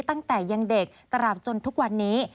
ตั้งแต่ยังเด็กตราบจนทุกวันนี้